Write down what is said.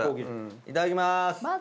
いただきまーす。